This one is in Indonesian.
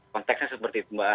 konteksnya seperti itu